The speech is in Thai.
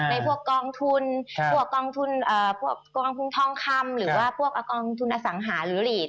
ในพวกกองทุนท่องคำหรือว่ากองทุนอสังหารุฤษฐ์